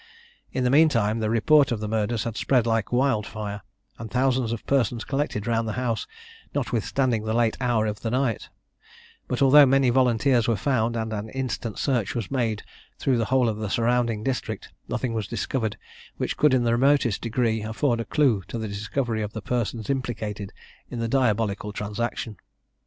In the mean time the report of the murders had spread like wild fire, and thousands of persons collected round the house, notwithstanding the late hour of the night; but, although many volunteers were found, and an instant search was made through the whole of the surrounding district, nothing was discovered which could in the remotest degree afford a clue to the discovery of the persons implicated in the diabolical transaction.